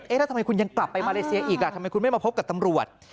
แล้วทำไมคุณยังกลับไปมาเลเซียอีกทำไมคุณไม่มาพบกับตำรวจ